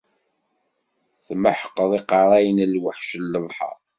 Tmeḥqeḍ iqerra n lweḥc n lebḥer.